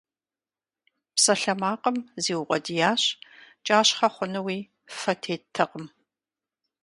Псалъэмакъым зиукъуэдиящ, кӀащхъэ хъунуи фэ теттэкъым.